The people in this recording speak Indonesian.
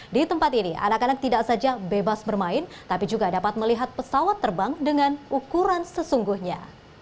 di tempat ini anak anak tidak saja bebas bermain tapi juga dapat melihat pesawat terbang dengan ukuran sesungguhnya